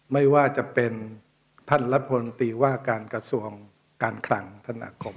ไม่ว่าจะเป็นท่านรัฐมนตรีว่าการกระทรวงการคลังธนาคม